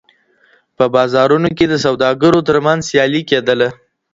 په بازارونو کي د سوداګرو ترمنځ سيالي کيدله.